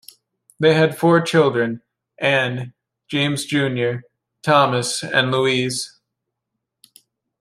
They had four children: Anne, James Junior Thomas, and Louise.